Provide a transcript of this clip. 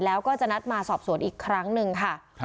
แล้วก็จะนัดมาสอบสวนอีกครั้งหนึ่งค่ะ